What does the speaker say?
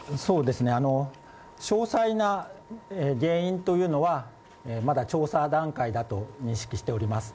詳細な原因というのはまだ調査段階だと認識しております。